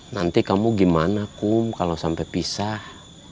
nanti kamu gimana kum kalau sampai pisah